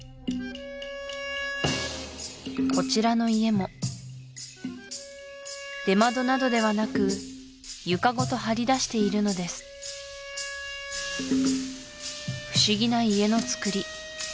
こちらの家も出窓などではなく床ごと張り出しているのです不思議な家の造り